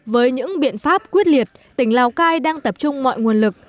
với những biện pháp quyết liệt tỉnh lào cai đang tập trung mọi nguồn lực